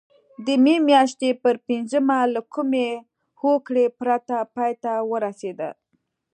د مې میاشتې پر پینځمه له کومې هوکړې پرته پای ته ورسېده.